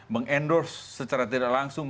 meng endorse secara tidak langsung